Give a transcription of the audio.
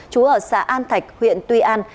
chú ở xã an thạch huyện tuy an